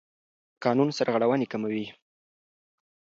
قانون سرغړونې کموي.